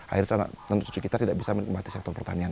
akhirnya anak cucu kita tidak bisa menikmati sektor pertanian